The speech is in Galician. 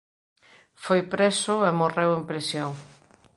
Foi preso e morreu en prisión.